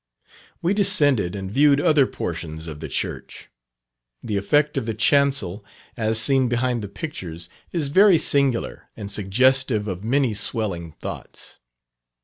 We descended and viewed other portions of the church. The effect of the chancel, as seen behind the pictures, is very singular, and suggestive of many swelling thoughts.